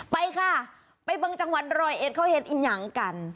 ไปค่ะไปบางจังหวัดร้อยเอ็ดเขาเห็นอีกอย่างกัน